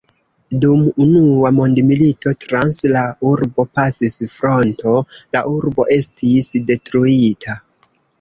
Dum Unua mondmilito trans la urbo pasis fronto, la urbo estis detruita.